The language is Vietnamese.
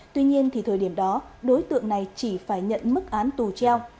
tuy nhiên thì thời điểm đó đối tượng này chỉ phải nhận mức án tù treo